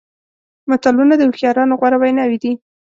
متلونه د هوښیارانو غوره ویناوې دي.